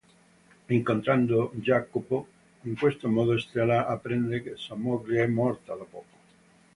Incontrando Jacopo, in questo modo, Stella apprende che sua moglie è morta da poco.